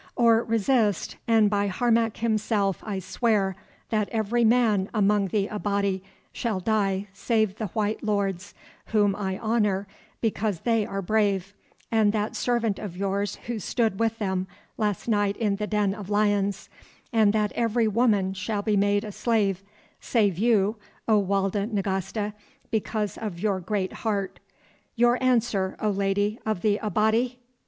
Or resist, and by Harmac himself I swear that every man among the Abati shall die save the white lords whom I honour because they are brave, and that servant of yours who stood with them last night in the den of lions, and that every woman shall be made a slave, save you, O Walda Nagasta, because of your great heart. Your answer, O Lady of the Abati!